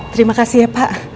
terima kasih ya pak